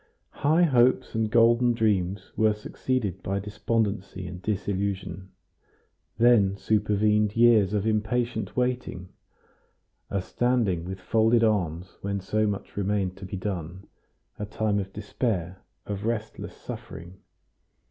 High hopes and golden dreams were succeeded by despondency and disillusion; then supervened years of impatient waiting, a standing with folded arms when so much remained to be done, a time of despair, of restless suffering.